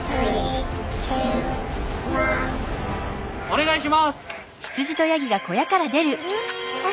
お願いします！